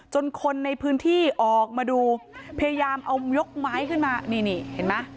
คนในพื้นที่ออกมาดูพยายามเอายกไม้ขึ้นมานี่นี่เห็นไหม